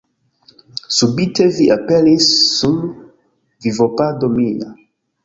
Subite vi aperis sur vivopado mia.